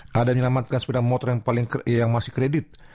ada yang menyelamatkan sepeda motor yang masih kredit